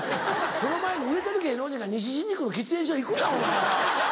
その前に売れてる芸能人が西新宿の喫煙所行くなお前は。